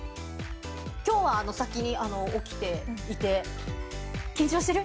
きょうは先に起きていて、緊張してる？